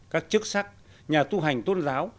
các chức sách nhà tu hành tôn giáo